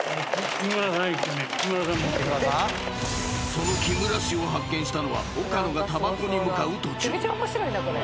［その木村氏を発見したのは岡野がたばこに向かう途中］